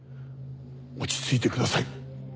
落ち着いてください。